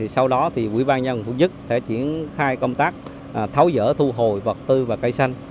sau đó thì quỹ ban nhân phục dứt sẽ triển khai công tác tháo dỡ thu hồi vật tư và cây xanh